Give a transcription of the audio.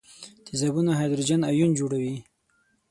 تیزابونه هایدروجن ایون جوړوي.